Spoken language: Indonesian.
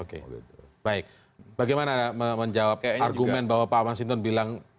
oke baik bagaimana menjawab argumen bahwa pak mas hinton bilang